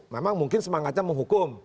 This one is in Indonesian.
memang mungkin semangatnya menghukum